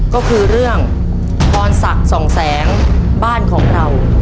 ก็คือเรื่องพรศักดิ์สองแสงบ้านของเรา